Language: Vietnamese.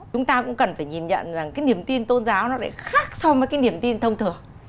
chúng ta cũng cần phải nhìn nhận rằng cái niềm tin tôn giáo nó lại khác so với cái niềm tin thông thường